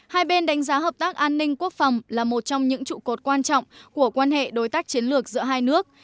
hai bên đánh giá hợp tác an ninh quốc phòng là một trong những trụ cột quan trọng của quan hệ đối tác chiến lược giữa hai nước